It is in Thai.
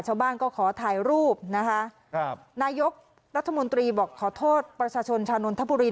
ชาวบ้านก็ขอถ่ายรูปนะคะครับนายกรัฐมนตรีบอกขอโทษประชาชนชาวนนทบุรี